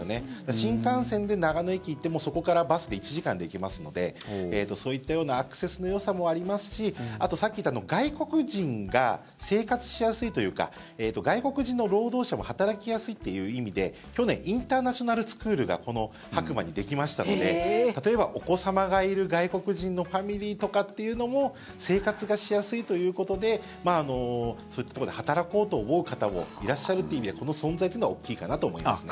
新幹線で長野駅に行ってもそこからバスで１時間で行けますのでそういったようなアクセスのよさもありますしあと、さっき言った外国人が生活しやすいというか外国人の労働者も働きやすいという意味で去年インターナショナルスクールがこの白馬にできましたので例えば、お子様がいる外国人のファミリーとかも生活がしやすいということでそういったところで働こうと思う方もいらっしゃるという意味でこの存在というのは大きいかなと思いますね。